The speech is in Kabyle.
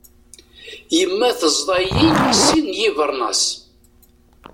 Yemma teẓḍa-iyi sin n yibernyas.